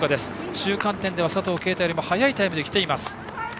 中間点では佐藤圭汰よりも速いタイムで来ています。